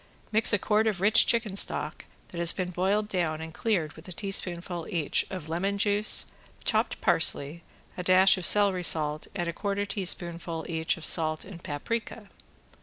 Mix a quart of rich chicken stock that has been boiled down and cleared with a teaspoonful each of lemon juice, chopped parsley, a dash of celery salt and a quarter teaspoonful each of salt and paprika.